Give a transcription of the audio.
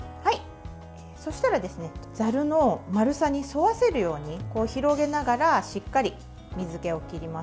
そうしたらざるの丸さに沿わせるように広げながらしっかり水けを切ります。